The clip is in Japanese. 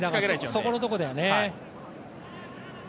そこのところだよね。